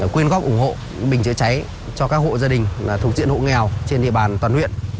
quyên góp ủng hộ bình chữa cháy cho các hộ gia đình thuộc diện hộ nghèo trên địa bàn toàn huyện